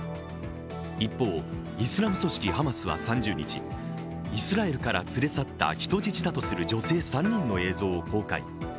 一方、イスラム組織ハマスは３０日イスラエルから連れ去った人質だとする女性３人の映像を公開。